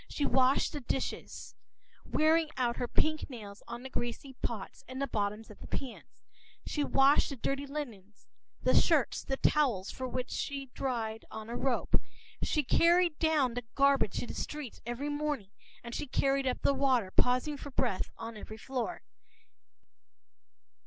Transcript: She washed the dishes, wearing out her pink nails on the greasy pots and the bottoms of the pans. She washed the dirty linen, the shirts and the towels, which she dried on a rope; she carried down the garbage to the street every morning, and she carried up the water, pausing for breath on every floor.